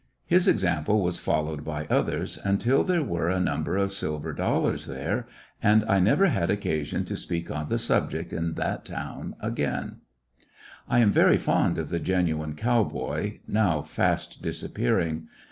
His example was followed by others until there were a number of silver dollars there, and I never 61 ^ecoUections of a had occasion to speak on the subject in that town again. A man and I am very fond of the genuine cow boy, a hero now fast disappearing.